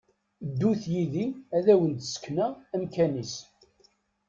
Ddut yid-i ad wen-d-sekneɣ amkan-is!